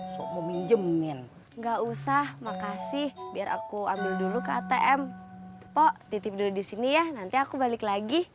so minjemin enggak usah makasih biar aku ambil dulu ktm pok titip disini ya nanti aku balik lagi